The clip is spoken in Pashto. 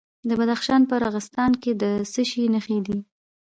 د بدخشان په راغستان کې د څه شي نښې دي؟